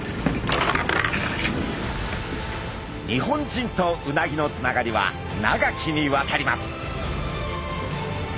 日本人とうなぎのつながりは長きにわたります。